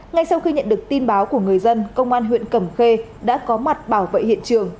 ngay sau khi nhận được tin báo của người dân công an huyện cẩm khê đã có mặt bảo vệ hiện trường